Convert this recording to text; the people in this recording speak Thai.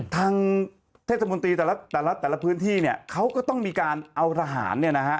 เทศมนตรีแต่ละแต่ละพื้นที่เนี่ยเขาก็ต้องมีการเอาทหารเนี่ยนะฮะ